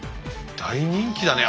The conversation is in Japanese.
大人気だね。